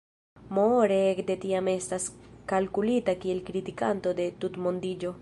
Moore ekde tiam estas kalkulita kiel kritikanto de tutmondiĝo.